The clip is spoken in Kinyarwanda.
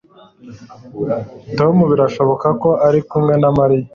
Tom birashoboka ko ari kumwe na Mariya